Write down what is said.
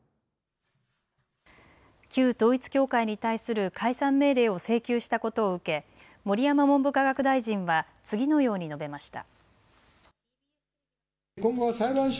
旧統一教会に対する解散命令を請求したことを受け、盛山文部科学大臣は次のように述べました。